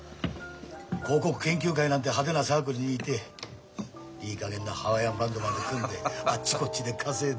広告研究会なんて派手なサークルにいていい加減なハワイアンバンドまで組んであっちこっちで稼いで。